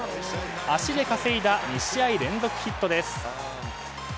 足で稼いだ２試合連続ヒットです。